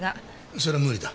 それは無理だ。